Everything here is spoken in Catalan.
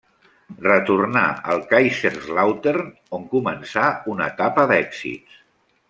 Retornà al Kaiserslautern on començà una etapa d'èxits.